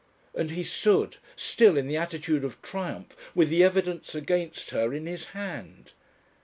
And he stood, still in the attitude of triumph, with the evidence against her in his hand!